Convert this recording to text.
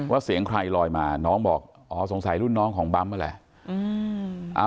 เสียงใครลอยมาน้องบอกอ๋อสงสัยรุ่นน้องของบั๊มนั่นแหละ